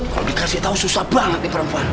kalo dikasih tau susah banget nih perempuan